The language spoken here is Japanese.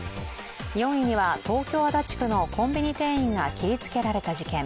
４位には東京・足立区のコンビニ店員が切りつけられた事件。